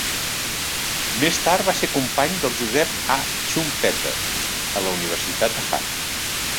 Més tard va ser company del Joseph A. Schumpeter a la Universitat de Harvard.